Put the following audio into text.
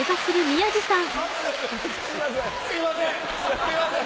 すいません。